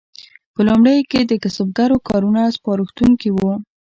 په لومړیو کې د کسبګرو کارونه سپارښتونکي وو.